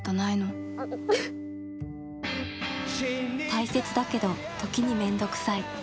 大切だけど、時に面倒くさい。